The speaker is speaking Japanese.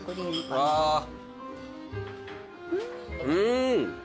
うん。